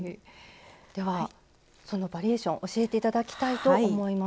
ではそのバリエーション教えて頂きたいと思います。